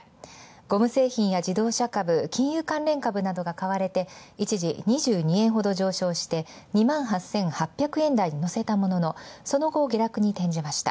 ゴム製品や自動車株、金融関連株が買われて、一時２２円ほど上昇して、２万８８００円台にのせたものの、その後、下落に転じました。